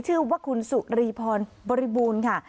ชื่อว่าคุณสุรีพรบริบูรณ์ค่ะ